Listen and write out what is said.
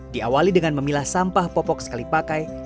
diawali dengan memilah sampah popok sekali pakai